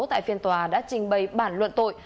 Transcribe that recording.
tại phiên tòa đã trình bày bản luận tội